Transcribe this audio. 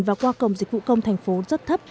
và qua cổng dịch vụ công thành phố rất thấp